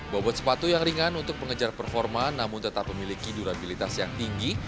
bobot sepatu yang ringan untuk mengejar performa namun tetap memiliki durabilitas yang tinggi